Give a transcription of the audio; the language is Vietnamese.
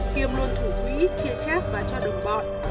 kiềm luôn thủ quý chia chép và cho đồng bọn